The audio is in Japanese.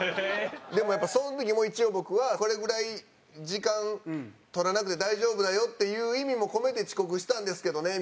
でもやっぱその時も一応僕は「これぐらい時間取らなくて大丈夫だよっていう意味も込めて遅刻したんですけどね」